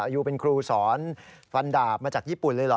ยูเป็นครูสอนฟันดาบมาจากญี่ปุ่นเลยเหรอ